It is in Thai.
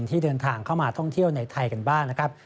ที่เดินทางเข้ามาท่องเที่ยวในไทยกันบ้างนะครับ